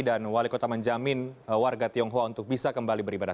dan wali kota menjamin warga tionghoa untuk bisa kembali beribadah